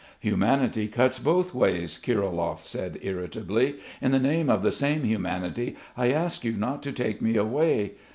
"Humanity cuts both ways," Kirilov said irritably. "In the name of the same humanity I ask you not to take me away.